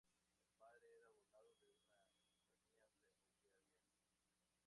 El padre era abogado de una compañía ferroviaria.